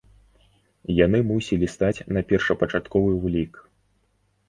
Яны мусілі стаць на першапачатковы ўлік.